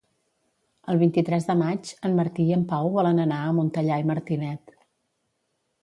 El vint-i-tres de maig en Martí i en Pau volen anar a Montellà i Martinet.